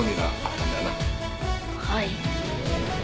はい。